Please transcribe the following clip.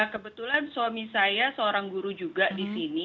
kebetulan suami saya seorang guru juga di sini